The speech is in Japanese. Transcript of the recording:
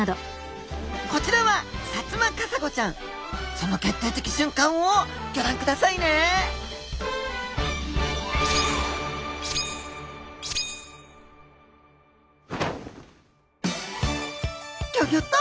その決定的瞬間をギョ覧くださいねギョギョッと！